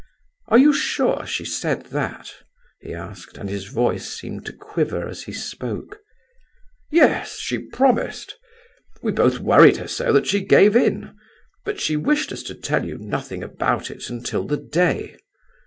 "Are you sure she said that?" he asked, and his voice seemed to quiver as he spoke. "Yes, she promised. We both worried her so that she gave in; but she wished us to tell you nothing about it until the day."